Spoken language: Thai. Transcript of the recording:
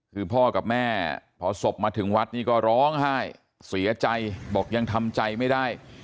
คือพ่อกับแม่พอศพมาถึงวัดนี่ก็ร้องไห้เสียใจบอกยังทำใจไม่ได้